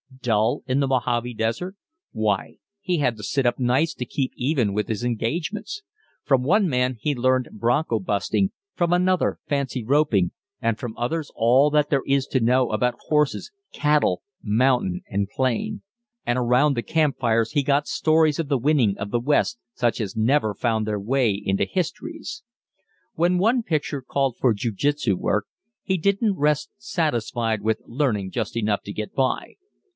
Dull in the Mohave desert? Why, he had to sit up nights to keep even with his engagements. From one man he learned bronco busting, from another fancy roping, and from others all that there is to know about horses, cattle, mountain, and plain. And around the camp fires he got stories of the winning of the West such as never found their way into histories. When one picture called for jiu jitsu work, he didn't rest satisfied with learning just enough to "get by."